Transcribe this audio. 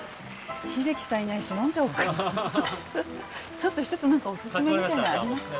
ちょっとちょっと一つ何かオススメみたいなのありますか。